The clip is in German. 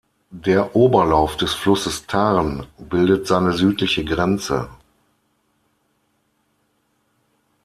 Der Oberlauf des Flusses Tarn bildet seine südliche Grenze.